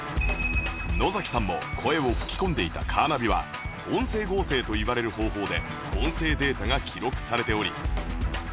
のざきさんも声を吹き込んでいたカーナビは音声合成といわれる方法で音声データが記録されており